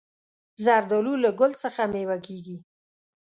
زردالو له ګل څخه مېوه کېږي.